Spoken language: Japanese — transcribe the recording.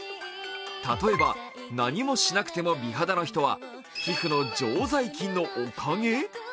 例えば、何もしなくても美肌の人は皮膚の常在菌のおかげ？